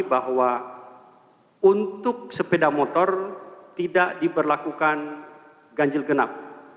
bahwa untuk sepeda motor tidak diberlakukan ganjil genap